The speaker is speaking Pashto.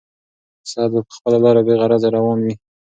ساعت به په خپله لاره بېغرضه روان وي.